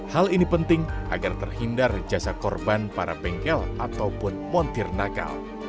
hal ini penting agar terhindar jasad korban para bengkel ataupun montir nakal